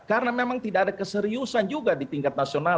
karena memang tidak ada keseriusan juga di tingkat nasional